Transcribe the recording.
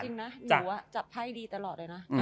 จริงนะหนูจับไพ่ดีตลอดเลยนะ